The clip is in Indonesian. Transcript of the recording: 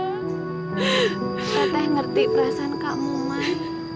teh teh ngerti perasaan kamu mai